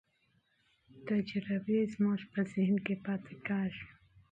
تجربې زموږ په ذهن کې پاتې کېږي.